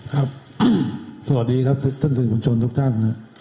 สวัสดีครับท่านสื่อมวลชนทุกท่าน